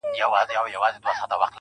زه د ښار ښايستې لكه كمر تر ملا تړلى يم.